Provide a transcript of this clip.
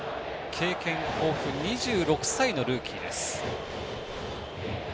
経験豊富２６歳のルーキーです。